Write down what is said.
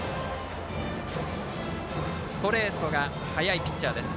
ストレートが速いピッチャーです。